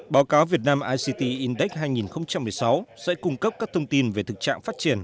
báo cáo việt nam ict index hai nghìn một mươi sáu sẽ cung cấp các thông tin về thực trạng phát triển